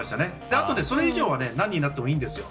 あと、それ以上なら何人になってもいいんです。